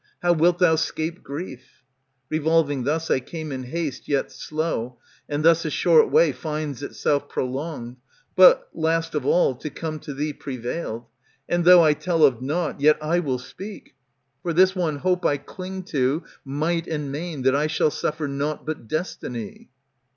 How wilt thou 'scape grief ?" 230 Revolving thus, I came in haste, yet slow, And thus a short way finds itself prolonged ; But, last of all, to come to thee prevailed. And though I tell of nought, yet I will speak ; For this one hope I cling to, might and main. That I shall suffer nought but destiny.